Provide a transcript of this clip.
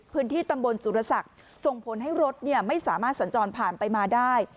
พื้นที่ตำบลสุรศักดิ์ส่งผลให้รถไม่สามารถสัญจรผ่านไปมาได้